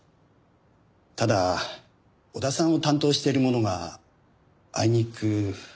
ただ小田さんを担当している者があいにく。